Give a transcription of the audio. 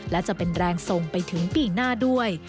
และจะเป็นแรงทรงไปถึงปีหน้าด้วย